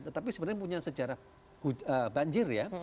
tetapi sebenarnya punya sejarah banjir ya